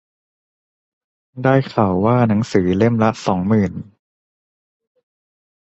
ได้ข่าวว่าหนังสือเล่มละสองหมื่น